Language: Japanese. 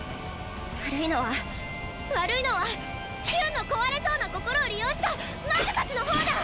悪いのは悪いのはヒュンの壊れそうな心を利用した魔女たちの方だ！